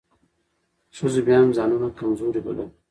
ښځو بيا هم ځان کمزورۍ بلل .